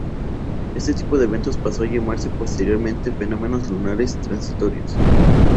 Este tipo de eventos pasó a llamarse posteriormente fenómenos lunares transitorios.